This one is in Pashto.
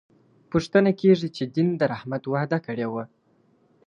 پوښتنه کېږي چې دین د رحمت وعده کړې وه.